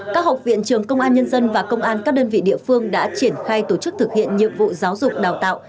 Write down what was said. các học viện trường công an nhân dân và công an các đơn vị địa phương đã triển khai tổ chức thực hiện nhiệm vụ giáo dục đào tạo